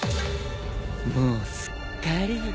もうすっかり。